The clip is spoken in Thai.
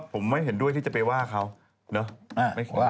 ผมไม่เห็นด้วยที่จะไปว่าเขาเนอะ